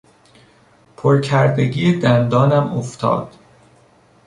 پر کردگی دندانم افتاد.